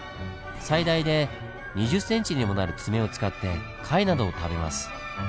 最大で２０ｃｍにもなる爪を使って貝などを食べます。